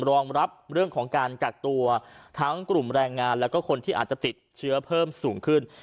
รองรับเรื่องของการกักตัวทั้งกลุ่มแรงงานแล้วก็คนที่อาจจะติดเชื้อเพิ่มสูงขึ้น